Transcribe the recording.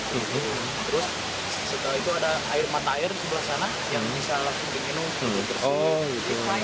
terus setelah itu ada mata air di sebelah sana yang bisa langsung di minum